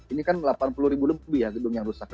ini kan delapan puluh ribu lebih ya gedung yang rusak